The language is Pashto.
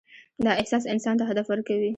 دا احساس انسان ته هدف ورکوي.